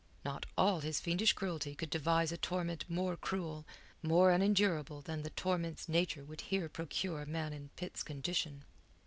Not all his fiendish cruelty could devise a torment more cruel, more unendurable than the torments Nature would here procure a man in Pitt's condition.